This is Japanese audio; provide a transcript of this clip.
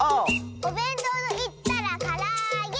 「おべんとうといったらからあげ！」